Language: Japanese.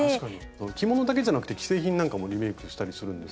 着物だけじゃなくて既製品なんかもリメイクしたりするんですか？